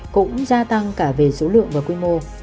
cũng gia tăng cả về số lượng và quy mô